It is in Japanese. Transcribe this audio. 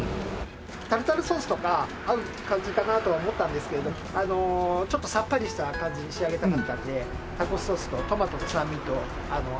タルタルソースとか合う感じかなとは思ったんですけれどちょっとさっぱりした感じに仕上げたかったのでタコスソースとトマトの酸味と合わせて。